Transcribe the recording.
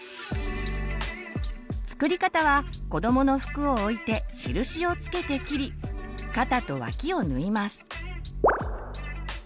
作り方はこどもの服を置いて印を付けて切り肩と脇を縫います。